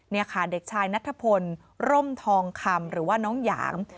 นี่ค่ะเด็กชายนัทพลร่มทองคำหรือว่าน้องหยาง